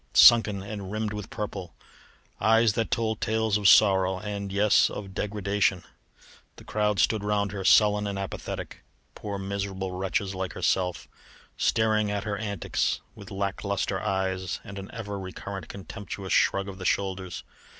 sunken and rimmed with purple; eyes that told tales of sorrow and, yes! of degradation. The crowd stood round her, sullen and apathetic; poor, miserable wretches like herself, staring at her antics with lack lustre eyes and an ever recurrent contemptuous shrug of the shoulders.